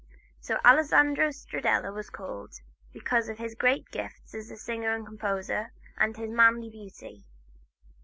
So Alessandro Stradella was called, because of his great gifts as singer and composer, and his manly beauty.